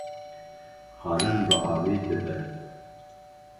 xwarin bi avî dibe